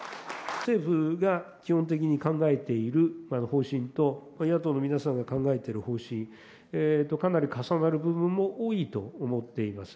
政府が基本的に考えている方針と、野党の皆様が考えている方針と、かなり重なる部分も多いと思っております。